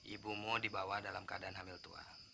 ibumu dibawa dalam keadaan hamil tua